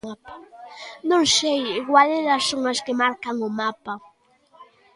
Non sei, igual elas son as que marcan o mapa.